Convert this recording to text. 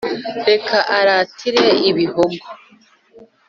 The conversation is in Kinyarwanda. Reka aratire Ibihogo,